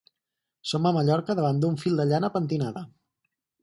Som a Mallorca davant d'un fil de llana pentinada.